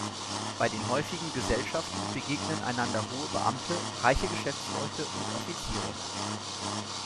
Bei den häufigen Gesellschaften begegnen einander hohe Beamte, reiche Geschäftsleute und Offiziere.